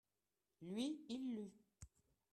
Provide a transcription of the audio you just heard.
lui, il lut.